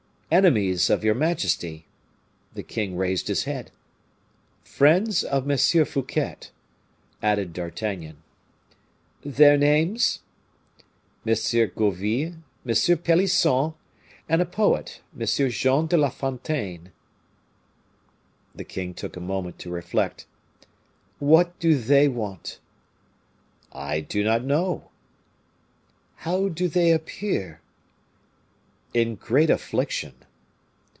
"Enemies of your majesty." The king raised his head. "Friends of M. Fouquet," added D'Artagnan. "Their names?" "M. Gourville, M. Pelisson, and a poet, M. Jean de la Fontaine." The king took a moment to reflect. "What do they want?" "I do not know." "How do they appear?" "In great affliction."